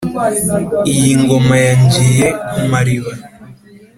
iyi ngoma ya ngiye-ku-mariba